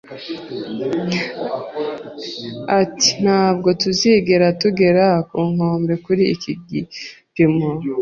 I. Ati: "Ntabwo tuzigera tugera ku nkombe kuri iki gipimo."